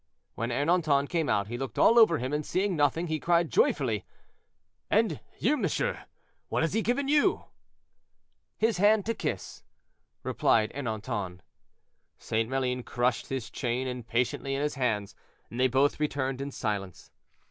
When Ernanton came out, he looked all over him, and seeing nothing, he cried joyfully, "And you, monsieur, what has he given to you?" "His hand to kiss," replied Ernanton. St. Maline crushed his chain impatiently in his hands, and they both returned in silence.